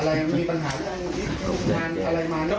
อะไรมีปัญหาอะไรมานี่อะไรมานี่